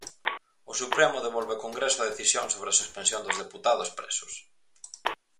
O Supremo devolve ao Congreso a decisión sobre a suspensión dos deputados presos.